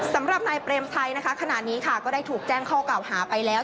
สำหรับนายเปรมชัยนะคะขณะนี้ค่ะก็ได้ถูกแจ้งข้อกล่าวหาไปแล้ว